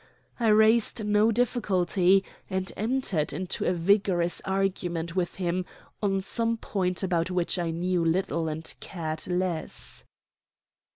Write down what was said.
I raised no difficulty; and entered into a vigorous argument with him on some point about which I knew little and cared less.